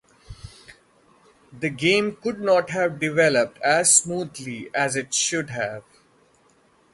The game could not develop as smoothly as it should have.